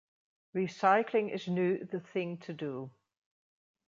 Recycling is nu the thing to do.